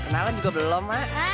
kenalan juga belum emak